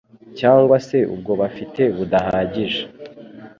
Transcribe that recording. cyangwa se ubwo bafite budahagije